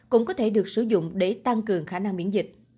cũng có thể được sử dụng để tăng cường khả năng miễn dịch